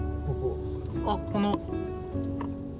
あっこの。